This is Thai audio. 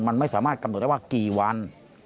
มันไม่สามารถกำหนดได้ว่ากี่วัน